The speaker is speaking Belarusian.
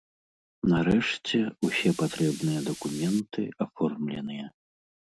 Нарэшце, усе патрэбныя дакументы аформленыя.